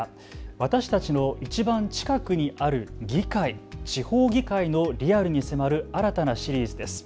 私たちのいちばん近くにある議会、地方議会のリアルに迫る新たなシリーズです。